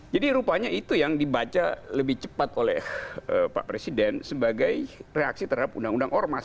jadi rupanya itu yang dibaca lebih cepat oleh pak presiden sebagai reaksi terhadap undang undang ormas